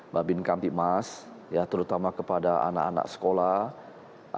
mbak bin kanti mas terutama kepada anak anak sekolah